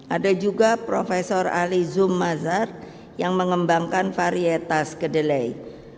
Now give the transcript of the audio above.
ada juga prof ali zumazar yang mengembangkan varietas kedelai